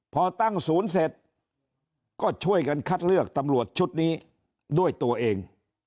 พอตั้งศูนย์เสร็จก็ช่วยกันคัดเลือกตำรวจชุดนี้ด้วยตัวเอง